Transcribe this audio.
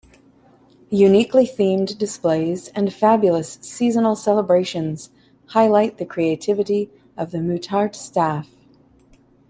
Uniquely themed displays and fabulous seasonal celebrations highlight the creativity of the Muttart staff.